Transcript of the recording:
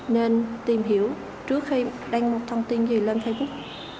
nên tìm hiểu trước khi đăng một thông tin gì lên facebook